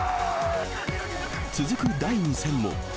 続く第２戦も。